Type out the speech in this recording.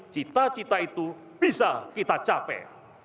cita cita itu bisa kita capai